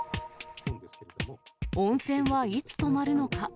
温泉はいつ止まるのか。